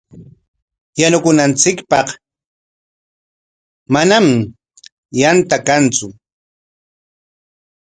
Yanukunanchikpaq manami yanta kantsu.